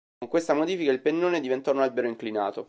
Con questa modifica il pennone diventò un albero inclinato.